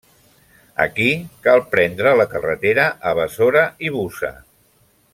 Aquí cal prendre la carretera a Besora i Busa.